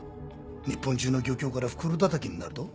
日本中の漁協から袋だたきんなるど。